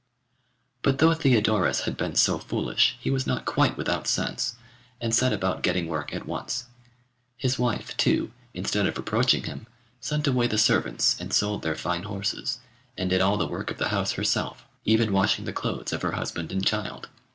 But though Theodorus had been so foolish he was not quite without sense, and set about getting work at once. His wife, too, instead of reproaching him sent away the servants and sold their fine horses, and did all the work of the house herself, even washing the clothes of her husband and child.